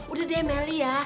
udah deh meli ya